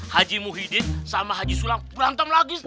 haji muhyiddin sama haji sulam berantem lagi ustadz